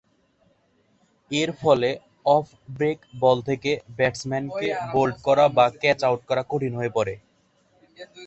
এর ফলে off break ball থেকে ব্যাটসম্যানকে বোল্ড করা বা ক্যাচ আউট করা কঠিন হয়ে পড়ে।